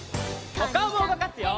おかおもうごかすよ！